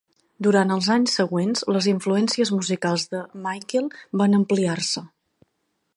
Durant els anys següents, les influències musicals de Michael van ampliar-se.